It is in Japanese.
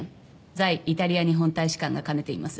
在イタリア日本大使館が兼ねています。